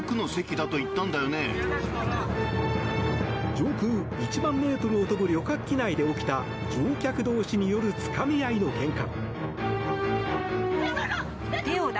上空１万ｍを飛ぶ旅客機内で起きた乗客同士によるつかみ合いのけんか。